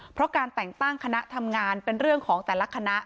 เพราะการแต่งตั้งคณะทำงานเป็นเรื่องของแต่ละคณะ